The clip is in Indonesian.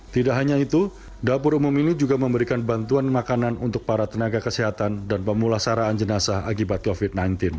tidak hanya itu dapur umum ini juga memberikan bantuan makanan untuk para tenaga kesehatan dan pemulasaraan jenazah akibat covid sembilan belas